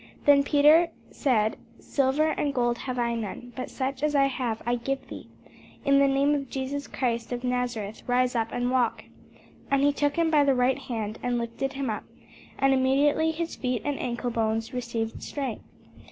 Then Peter said, Silver and gold have I none; but such as I have give I thee: In the name of Jesus Christ of Nazareth rise up and walk. And he took him by the right hand, and lifted him up: and immediately his feet and ancle bones received strength.